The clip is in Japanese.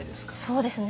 そうですね。